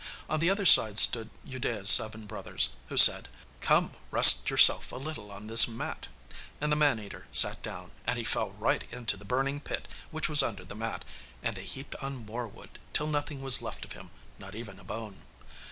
On the other side stood Udea's seven brothers, who said, 'Come, rest yourself a little on this mat.' And the man eater sat down, and he fell right into the burning pit which was under the mat, and they heaped on more wood, till nothing was left of him, not even a bone.